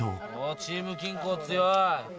チーム金光、強い。